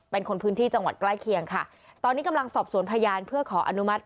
เป็นคนพื้นที่จังหวัดใกล้เคียงค่ะตอนนี้กำลังสอบสวนพยานเพื่อขออนุมัติ